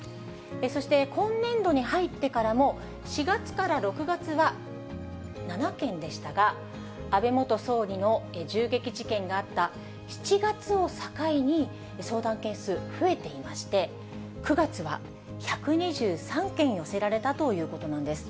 そして、今年度に入ってからも、４月から６月は７件でしたが、安倍元総理の銃撃事件があった７月を境に、相談件数、増えていまして、９月は１２３件寄せられたということなんです。